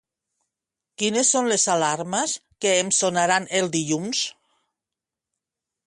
Quines són les alarmes que em sonaran el dilluns?